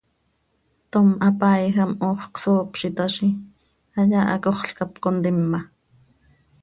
Tom hapaaijam hoox csoop z itaazi, hayaa hacoxl cap contima.